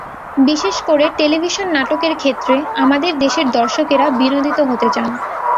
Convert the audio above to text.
বিশেষ করে টেলিভিশন নাটকের ক্ষেত্রে আমাদের দেশের দর্শকেরা বিনোদিত হতে চান।